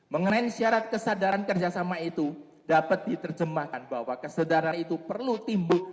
mengenai syarat kesadaran kerjasama itu dapat diterjemahkan bahwa kesadaran itu perlu timbul